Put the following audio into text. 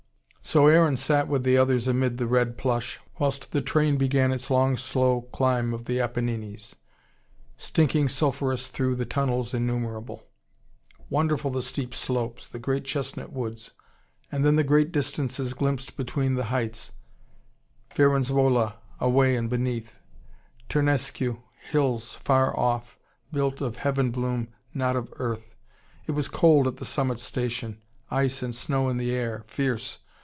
So Aaron sat with the others amid the red plush, whilst the train began its long slow climb of the Apennines, stinking sulphurous through tunnels innumerable. Wonderful the steep slopes, the great chestnut woods, and then the great distances glimpsed between the heights, Firenzuola away and beneath, Turneresque hills far off, built of heaven bloom, not of earth. It was cold at the summit station, ice and snow in the air, fierce.